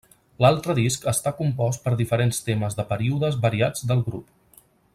L'altre disc està compost per diferents temes de períodes variats del grup.